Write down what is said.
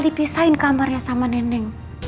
dipisahin kamarnya sama neneng